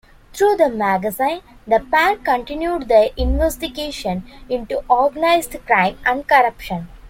Through the magazine, the pair continued their investigation into organized crime and corruption.